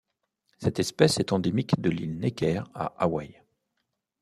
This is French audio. Cette espèce est endémique de l'île Necker à Hawaï.